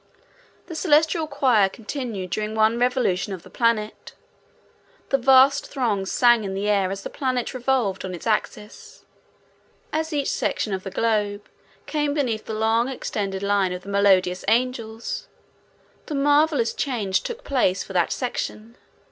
The celestial choir continued during one revolution of the planet. The vast throng sang in the air as the planet revolved on its axis. As each section of the globe came beneath the long extended line of melodious angels, the marvelous change took place for that section.